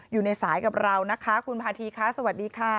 อยู่ในสายกับเรานะคะคุณพาธีคะสวัสดีค่ะ